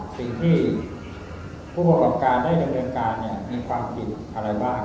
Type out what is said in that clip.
สิ่งที่ผู้ประกอบการได้ดำเนินการเนี่ยมีความผิดอะไรบ้าง